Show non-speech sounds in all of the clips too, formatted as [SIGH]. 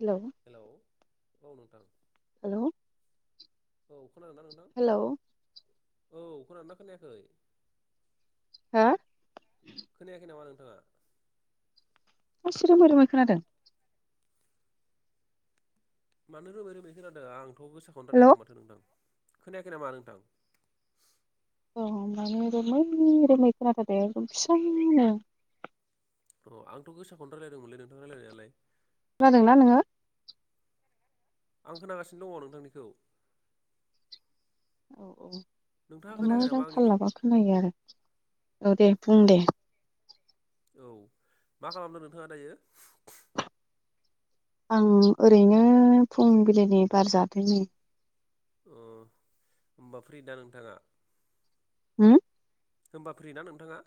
Hello औ नोंथां hello औ खोनादोंना नोंथां औ खोनादोंना खोनायाखै, खोनायाखै नामा नोंथाङा? मा एसे रोमै रोमै खोनादों, मानो रोमै रोमै खोनादों आंथ' गोस्साखौनो हेलौ रायलायदों माथो नोंथां खोनायाखै नामा नोंथां अ माने रोमै रोमै खोनाथारदों एखदम फिसानो अ आंथ' गोसाखौनो रायलायदोंमोनलै नोंथां रायलायनायालाय खोनादोंना नोङो आं खोनागासिनो दङ नोंथांनिखौ औ औ नोंथाङा माने खोनायाखै मोजां नामा थाल आंनिखौ लाबा खोनायो आरो औ दे बुं दे औ मा खालामदों नोंथाङा दायो आं ओरैनो फुंबिलिनि बार जादों नै अ होमबा फ्रि दा नोंथाङा होम होमबा फ्रि ना नोंथाङा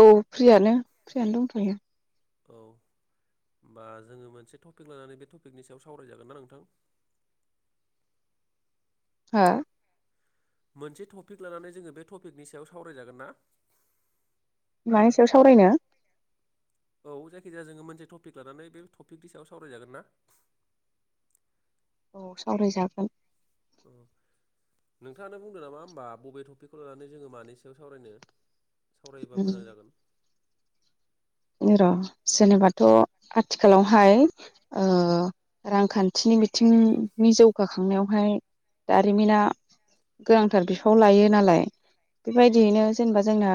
औ फ्रियानो फ्रियानो दंथयो औ होमबा जोङो मोनसे टपिक लानानै बे टपिकनि सायाव सावरायजागोन ना नोंथां [INAUDIBLE] हा मोनसे टपिक लानानै जोङो बे टपिकनि सायाव सावरायजागोन ना मानि सायाव सावरायनो औ जायखिजाया जोङो मोनसे टपिक लानानै बे टपिकनि सायाव सावरायजागोन ना [INAUDIBLE] औ सावरायजागोन [INAUDIBLE] नोंथाङानो बुंदो नामा होमबा बबे टपिकखौ लानानै जोङो मानि सायाव सावरायनो सावरायोबा उम मोजां जागोन र जेनेबाथ' आथिखालावहाय ओ रांखान्थिनि बिथिं नि जौगाखांनायावहाय दारिमिना गोनांथार बिफाव लायो नालाय औ बेबायदियैनो जेनेबा जोंना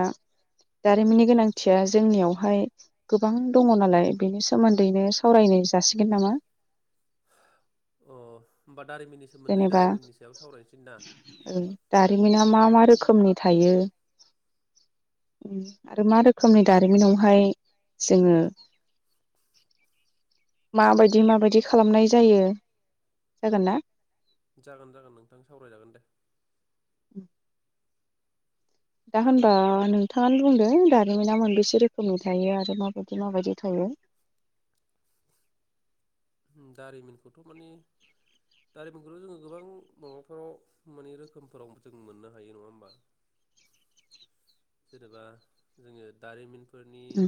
दारिमिननि गोनांथिया जोंनियावहाय गोबां दङ नालाय बेनि सोमोन्दैनो सावरायनाय जासिगोन नामा [UNINTELLIGIBLE] अ होमबा दारिमिननि सोमोन्दै जेनेबा दारिमिननि सायाव सावरायनोसै ना रिमिना मा मा रोखोमनि थायो उम आरो मा रोखोमनि दारिमिनावहाय जोङो [INAUDIBLE] माबायदि माबायदि खालामनाय जायो जागोन ना जागोन जागोन नोंथां सावरायजागोन दे [UNINTELLIGIBLE] दा होनबा खोनादोंना नोंथां नोंथाङानो बुंदो दा रिमिना मोनबेसे रोखोमनि थायो आरो माबायदि माबायदि थायो दारिमिनखौथ' माने दारिमिनखौथ' जोङो गोबां माबाफोराव माने रोखोमफोराव जों मोननो हायो नङा होमबा जेनेबा जोंङो दारिमिन उ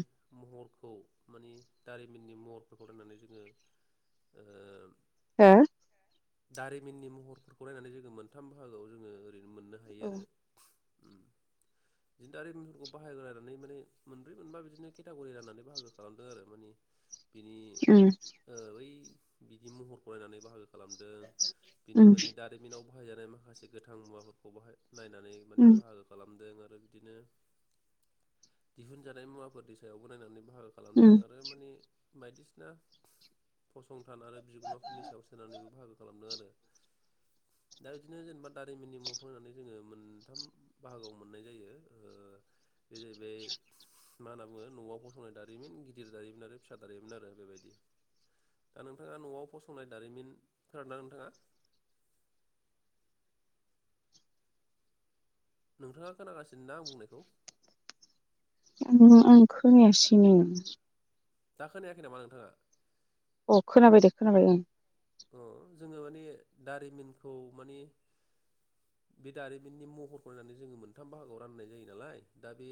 खौ माने दारिमिननि महरफोरखौ नायनानै जोङो ओ हो दारिमिननि महरफोरखौ नायनानै जोङो मोनथाम बाहागोआव जोङो ओरैनो मोननो हायो हो आरो उम बिदिनो दारिमिनफोरखौ बाहागो राननानै माने मोनब्रै मोनबा बिदिनो केटागरि राननानै बाहागो खालामदों आरो माने बिनि ओ बै बिदि महर नायनानै बाहागोखौ खालामदों बिनि माने दारिमिनाव बाहायजानाय माखासे गोथां मुवाफोरखौ बाहाय नायनानै माने बाहागो खालामदों आ बिदिनो दिहुनजानाय मुवाफोरनि सायावबो नायनानै बाहागो खालामदों आरो माने बायदिसिना फसंथान आरो बिगोमाफोरनि सायाव सोनारनानैबो बाहागो खालामदों आरो दा बिदिनो जेनेबा दारिमिननि मरखौ नायनानै जोङो मोनथाम बाहागोआव मोननाय जायो ओ बे जाहैबाय मा होनना बुङो न'आव फसंनाय दारिमिन गिदिर दारिमिन आरो फिसा दारिमिन आरो बेबायदि दा नोंथाङा न'आव फसंनाय दारिमिन खोनादों ना नोंथाङा नोंथाङा खोनागासिनो ना आं बुंनायखौ ओहो आं खोनायासैनो दा खोनायाखै नामा नोंथाङा अ खोनाबाय दे खोनाबाय ओं अ जोङो माने दारिमिनखौ माने बे दारिमिननि महर नायनानै जोङो मोनथाम बाहागोआव राननाय जायो नालाय दा बे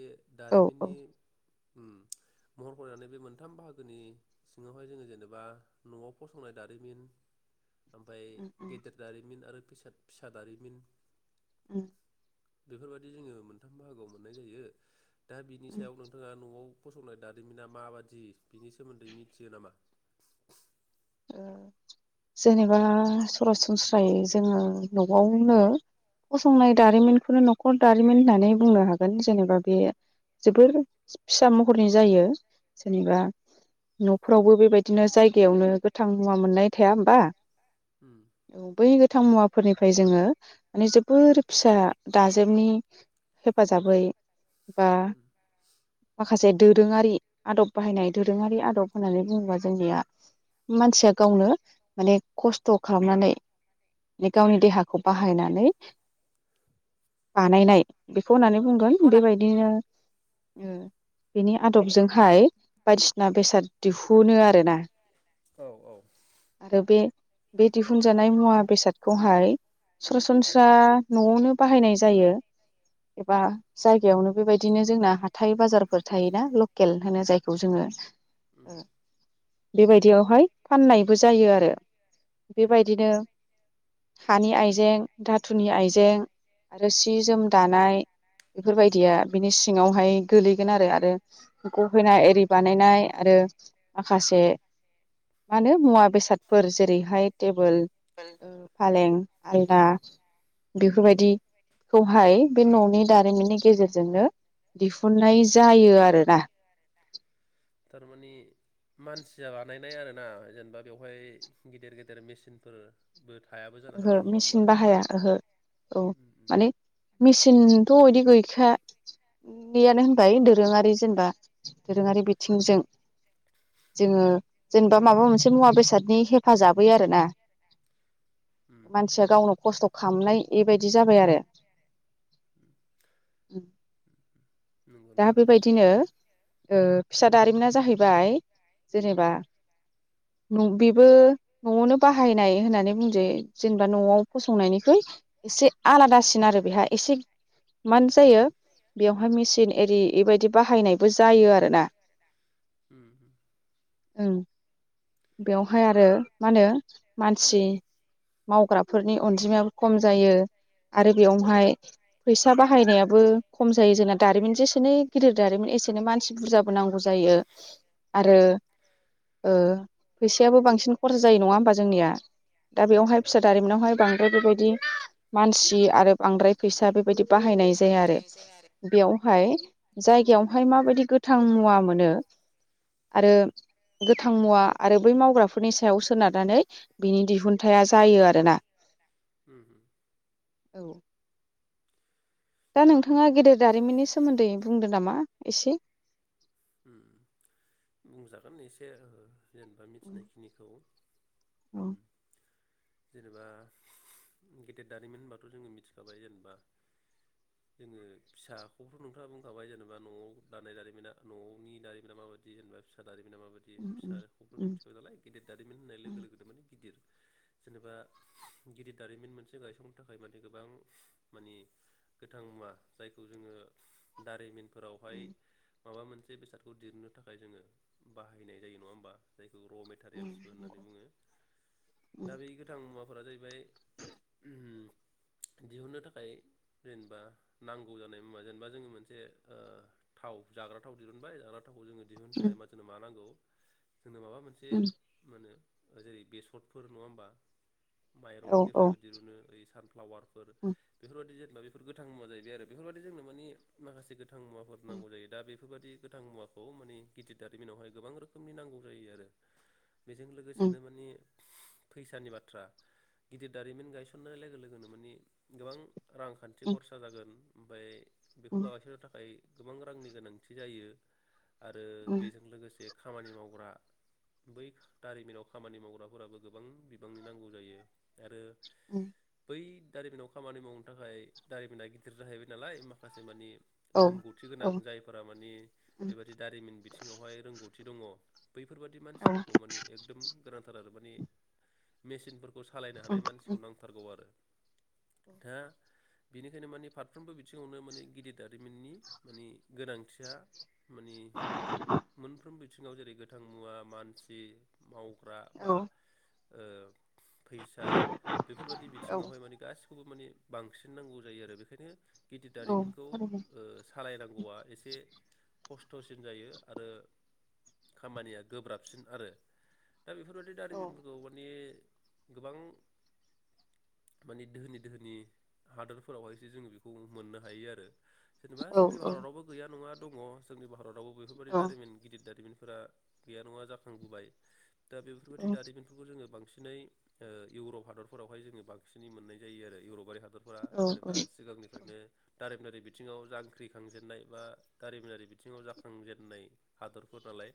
औ औ दारिमिननि उ महर नायनानै बे मोनथाम बाहागोनि सिङावहाय जोङो जेनेबा न'आव फसंनाय दारिमिन ओमफ्राय गेदेर दारिमिन आरो फिसा फिसा दारिमिन उ बेफोरबायदि जोङो मोनथाम बाहागोआव मोननाय जायो दा बिनि सायाव नोंथाङा न'आव फसंनाय दारिमिना माबादि बिनि सोमोन्दै मिथियो नामा ओ जेनेबा सरासनस्रायै जोङो न'आवनो फसंनाय दारिमिनखौनो न'खर दारिमिन होननानै बुंनो हागोन जेनेबा बे जोबोर फिसा महरनि जायो जेनेबा न'फोरावबो बेबायदिनो जायगायावनो गोथां मुवा मोननाय थाया होमबा उम औ बै गो थां मुवाफोरनिफ्राय जोङो माने जोबोर फिसा दाजेमनि हेफाजाबै बा उम मा खासे दोरोङारि आदब बाहायनाय दोरोङारि आदब होननानै बुङोबा जोंनिया मानसिया गावनो माने खस्थ' खालामनानै गावनि देहाखौ बाहायनानै बानायनाय बे फनानै बुंगोन बेखौ ना बेबायदिनो बेनि आदबजोंहाय बायदिसिना बेसाद दिहुनो आरोना औ औ आरो बे बे दिहुनजानाय मुवा बेसादखौहाय सरासनस्रा न'आवनो बाहायनाय जायो एबा उम जायगायावनो बेबायदिनो जोंना हाथाइ बाजारफोर थायोना लकेल होनो जायखौ जोङो उम ओ बेबायदियाव हाय फाननायबो जायो आरो उम बेबायदिनो हानि आइजें धाथुनि आइजें आरो सि जोम दानाय उम बेफोरबायदिया बिनि सिङावहाय गोलैगोन आरो आरो गफैनाय एरि बानायनाय आरो माखासे मानो मुवा बेसादफोर जेरैहाय टेबोल फालें आलदा उम बेफोरबायदि खौहाय बे न'नि दारिमिननि गेजेरजोंनो दिहुननाय जायो आरो। थारमाने मानसिया बानायनाय आरो ना जेनेबा बेवहाय गिदिर गिदेर मेसिनफोरबो थायाबो जानो ओहो हागौ नङा होमबा? मिसिन बाहाया ओहो औ उम उम माने मिसिन सिनथ' इदि गैखा गैयानो होनजायो दोरोङारि जेनेबा दोरोङारि बिथिंजों। जोङो जेनेबा माबा मोनसे मुवा बेसादनि हेफाजाबै आरोना। उम खामनाय एबायदि जाबाय आरो। उम नंगौ दा नंगौ बेबायदिनो ओ फिसा दारिमिना जाहैबाय जेनेबा बेबो न'आवनो बाहायनाय होननानै बुंजायो। जेनेबा न'आव फसंनायनिख्रुय एसे आलादासिन आरो बेहा एसे मानो जायो बेवहाय मेचिन एरि एबायदि बाहायनायबो जायो आरोना। उम उम ओं। बेवहाय आरो माहोनो मानसि मावग्राफोरनि अनजिमायाबो खम जायो। आरो बेयावहाय फैसा बाहायनायाबो खम जायो जोंना दारिमिन जोंना जेसेनो गिदिर दारिमिन एसेनो मानसि बुरजाबोनांगौ जायो उम आरो ओ फैसायाबो बांसिन खरज जायो नङा होमबा जोंनिया? दा बेवहाय फिसा दारिमिनावहाय बांद्राय बेबायदि मानसि आरो बांद्राय फैसा बेबायदि बाहायनाय जाया बांद्राय बेबायदि आरो बाहायनाय जाया आरो बेयावहाय जायगायावहाय माबायदि गोथां मुवा मोनो आरो गोथां मुवा आरो बै मावग्राफोरनि सायाव सोनारनानै बिनि दिहुनथाइया जायो आरोना। उम दा नोंथाङा गेदेर दारिमिननि सोमोन्दै बुंदो नामा एसे? ओम बुंजागोन एसे जेनेबा औ मिथिनायखिनिखौ। औ। उम जेनेबा गेदेर दारिमिन होनबाथ' जोङो मिथिखाबाय जेनेबा जोङो फिसा हखौथ' नोंथाङा बुंखाबाय जेनेबा न'आव बानायनाय दारिमिना न'नि दारिमिना माबायदि जेनेबा दारि दारिमिना माबायदि औ फिसा ह' मिथिखाबाय नालाय गिदिर दारिमिन होननाय लोगो लोगोनो माने गिदिर जेनेबा गिदिर दारिमिन मोनसे गायसंनो थाखाय माने गोबां मानि गोथां मुवा जायखौ जोङो दारिमिन फोरावहाय माबा मोनसे बेसादखौ दिरनो थाखाय जोङो बाहायनाय जायो नङा होमबा जाय बे र' मेटारियेल्सबो होननानै बुङो दा बे गोथां मुवाफोरा जाहैबाय उम। दिहुननो थाखाय जेनेबा नांगौ जानाय मुवा जेनेबा जोंनि मोनसे थाव जाग्रा थाव दिहुनबाय जाग्रा थावखौ जोङो दिहुननो थाखाय मा नांंगौ जोंनो माबा मोनसे मा होनो जेरै बेसरफोर नङा होमबा? माइरंफोरनिफ्रायबो दिरुनो ओइ सानफ्लावारफोर बेफोरबायदि बेफोर गोथां मुवा जाहैबाय आरो बेफोरबायादि जोंनो मानि माखासे गोथां मुवाफोर नांगौ जायो। बेफोरबादि गोथां मुवाखौ माने गिदिर दारिमिनावहाय गोबां रोखोमनि नांगौ जायो आरो। बेजों लोगोसेनो माने फैसानि बाथ्रा गिदिर दारिमिन गायसननाय लोगो लोगोनो माने गोबां रांखान्थि खरसा जागोन ओमफाय बेखौ गायसननो थाखाय गोबां रांनि गोनांथि जायो आरो बेजों लोगोसे खामानि मावग्रा बै दारिमिनाव खामानि मावग्राफोराबो गोबां बिबांनि नांगौ जायो आरो उम। बै दारिमिनाव खामानि मावनो थाखाय दारिमिना गिदिर जाहैबाय नालाय माखासे मानि रोंगौथि गोनां जायफोरा मानि बेबादि दारिमिन बिथिङावहाय रोंगौथि दङ बैफोरबादि मानसिफोरखौ माने एकदम गोनांथार आरो माने मेसिनफोर खौ सालायनो हानाय मानसिखौ नांथारगौ आरो। दा बेनिखायनो माने फारफ्रोमबो बिथिङावनो माने गिदिर दारिमिननि माने गोनांथिया माने मोनफ्रोमबो बिथिङाव जेरै गोथां मुवा मानसि मावग्रा औ बा‌ ओ फैसा बेफोरबादि औ बिथिङावहाय माने गासि खौबो माने बांसिन नांगौ जायो आरो बेखायनो गिदिर औ दारिमिनखौ थारैनो ओ नायनांगौवा एसे खस्थसिन जायो आरो खामानिया गोब्राबसिन आरो दा बेफोरबायदि औ दारिमिनफोरखौ माने गोबां माने दोहोनि दोहोनि हादोरफोरावहायसो जोंङो बेखौ मोननो हायो आरो जेनेबा औ जोंनि भारदावबो गैया नङा दंङ जोंनि भारदावबो बेफोरबायदि दारिमिन गिदिद दारिमिन फोरा गैया नङा जाखांबोबाय दा बेफोरबायदि दारिमिनफोरखौ जोंङो बांसि नै ओ इउरप हादरफोरावहाय जोंङो बांसिनै मोननाय जायो आरो इउरपारि हा दरफोरा औ जेनेबा सिगांनिफ्रायनो दारिमिनारि बि थिङाव जांख्रिखांजेननाय बा दारिमिनारि बिथिङाव जाखांजेननाय हादर फोर नालाय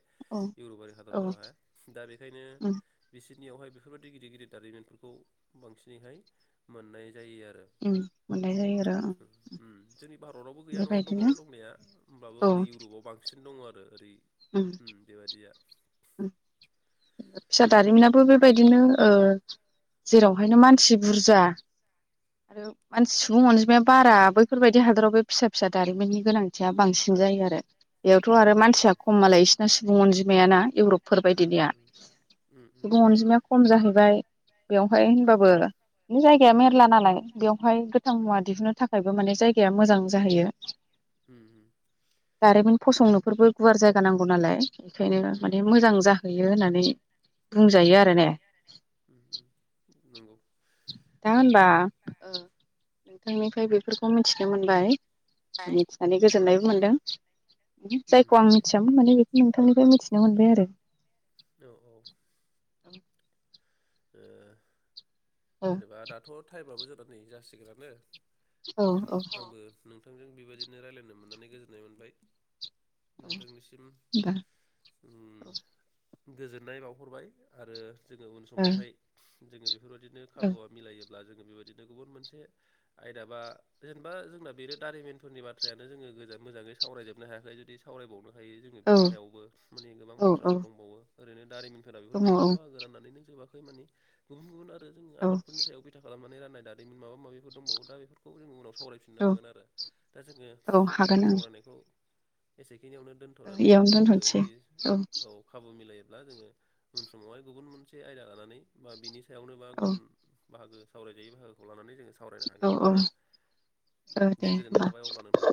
इउरबआरि औ हादरफोरावहाय दा बेखायनो औ बिसि नियावहाय बेफोरबायदि गिदिर गिदिर दारिमिनफोरखौ बांसिनैहाय मोननाय जायो आरो उम मोनाय जायो आरो उम भारदावबो गैया नङा दंङ दंनाया होमब्लाबो औ ओरै इउरबाव बांसिन दंङ आरो ओरै उम बेबायदिया फिसा दारिमिनाबो बेबायदिनो ओ जेरावहायनो मानसि बुरजा आरो मानसि सुबुं अनजिमाया बारा बैफोरबायदि हादराव बे फिसा फिसा दारिमिननि गोनांथिया बांसिन जायो आरो बेयावथ' औ आरो औ औ मानसिया खम मालाय इसिना सुबुं अनजिमायाना इउरबफोर उम उम बायदिनिया उम सुबुं अनजिमा खम जाहैबाय बेवहाय होनबाबो बे जायगाया मेरला नालाय बेवहाय गोथां मुवा दिहुननो थाखायबो माने जायगाया मोजां जाहैयो उम दारिमिन फसंनोफोरबो गुवार जायगा नांगौ नालाय बेखायनो उम माने मोजां जाहैयो होननानै बुंजायो आ रो ने उम उम नंगौ दा होनबा जेनेबा ओ नोंथांनिफ्राय बेफोरखौ मिथिनो मोनबाय मिथिनानै औ गोजोननायबो मोनदों उम जायखौ आं मिथियामोन माने नोंथांनिफ्राय मिथिनो मोनबाय आरो औ औ ओ औ जेनेबा दाथ' टाइमाबो जोंना नै जासिगोनानो अ औ औ होनबा आंबो नोंथांजों बेबायदिनो राय्लायनो मोननानै गोजोननाय मोनबाय नोंथांनिसिम उम गोजोननाय बावहरबाय आरो जोंङो उन समावहाय जोंङो बेफोरबायदिनो खाबुआ मिलायो ब्ला जोंङो बेबायदिनो गुबुन मोनसे आयदा बा जेनेबा जोंना बेनो दारिमिनफोरनि बाथ्रायानो जोंङो गोजान मोजाङै सावरायजोबनो हायाखै जुदि सावरायबावनो हायो जोंङो बिनि सायावबो माने गोबां बाथ्राफोर दंबावो ओरैनो दारिमिनफोरा बेफोर मोनथाम बाहागो राननानै नों जोबाखै माने गुबुन गुबुन आरो जों औ दङ औ आबादफोरनि सायाव बिथा खालामनानै रान होननाय दारिमिन माबा माबिफोर दंबावो दा बेफोरखौ जों उनाव साव सावरायफिननो औ हागोन आरो दा जोङो औ हागोन जोंनि आं सावरायनायखौ एसे खिनियावनो दोनथ'नानै इयावनो जोङो दोनथ'नोसै जुदि औ खाबु मिलायो ब्ला जोङो उन समावहाय गुबुन मोनसे आयदा लानानै बा बिनि सायावनो बा औ गुबुन बाहागो सावरायजायै बाहागोखौ लानानै जोङो सावरायनो औ हागोन ना औ दे गोजोननाय होमबा औ थाबाय अब्ला नोंथां